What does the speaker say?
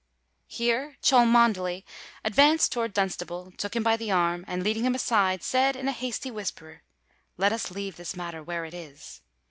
Here Cholmondeley advanced towards Dunstable, took him by the arm, and, leading him aside, said in a hasty whisper, "Let us leave this matter where it is.